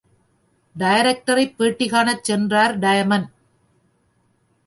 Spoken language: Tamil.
டைரக்டரைப் பேட்டி காணச் சென்றார் டயமண்ட்.